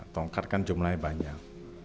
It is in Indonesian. tongkat kan jumlahnya banyak